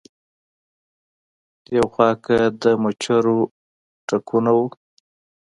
يو خوا کۀ د مچرو ټکونه وو